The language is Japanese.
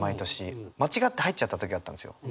間違って入っちゃった時あったんですよ。